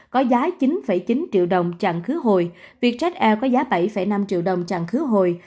có giá chín chín triệu đồng chặn khứ hồi vietjet air có giá bảy năm triệu đồng chặn khứ hồi